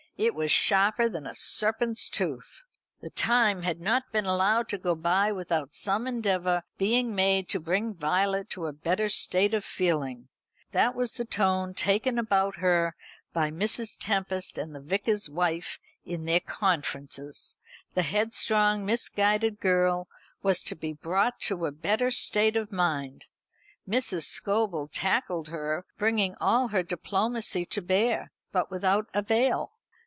It was sharper than a serpent's tooth. The time had not been allowed to go by without some endeavour being made to bring Violet to a better state of feeling. That was the tone taken about her by Mrs. Tempest and the Vicar's wife in their conferences. The headstrong misguided girl was to be brought to a better state of mind. Mrs. Scobel tackled her, bringing all her diplomacy to bear, but without avail.